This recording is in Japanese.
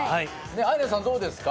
アイナさんどうですか？